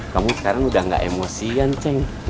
kamu sekarang udah gak emosian ceng